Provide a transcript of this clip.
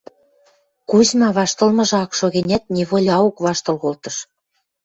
Кузьма, ваштылмыжы ак шо гӹнят, неволяок ваштыл колтыш.